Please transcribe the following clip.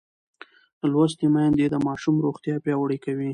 لوستې میندې د ماشوم روغتیا پیاوړې کوي.